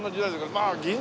まあ銀座。